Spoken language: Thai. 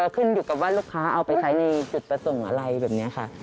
ขึ้นอยู่กับว่าลูกค้าเอาไปใช้ในจุดประสงค์อะไรแบบนี้ค่ะ